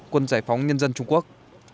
quân giải phóng nhân dân trung quốc